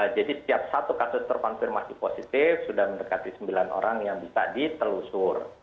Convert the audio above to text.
jadi setiap satu kasus terkonfirmasi positif sudah mendekati sembilan orang yang bisa ditelusur